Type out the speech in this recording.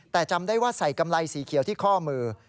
แต่จำได้ว่าใส่กำไรสีเขียวที่ข้อมือ